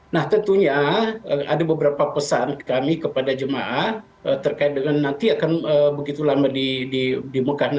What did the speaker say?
nah tentunya ada beberapa pesan kami kepada jemaah terkait dengan nanti akan begitu lama di mekah